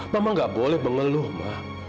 mama nggak boleh mengeluh ma